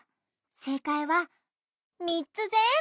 せいかいはみっつぜんぶ！